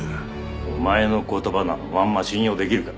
お前の言葉などまんま信用できるか。